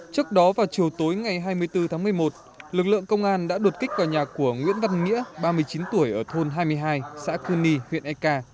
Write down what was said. trước đó vào chiều tối ngày hai mươi bốn tháng một mươi một lực lượng công an đã đột kích vào nhà của nguyễn văn nghĩa ba mươi chín tuổi ở thôn hai mươi hai xã cư ni huyện eka